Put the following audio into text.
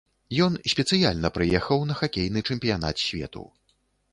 Ён спецыяльна прыехаў на хакейны чэмпіянат свету.